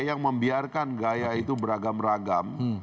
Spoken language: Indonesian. yang membiarkan gaya itu beragam ragam